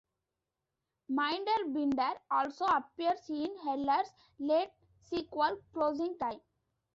Minderbinder also appears in Heller's late sequel "Closing Time".